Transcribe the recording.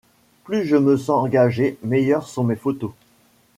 Plus je me sens engagé, meilleures sont mes photos.